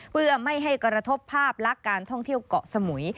เพื่อไม่ให้กระทบภาพลักษณ์การท่องเที่ยวเกาะสมุย